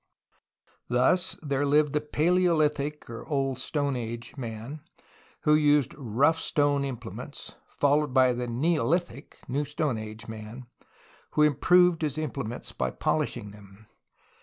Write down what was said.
Thus there lived the palaeohthic (old stone) man, who used rough stone implements, followed by the neolithic (new stone) man, who improved his imple ments by polishing them.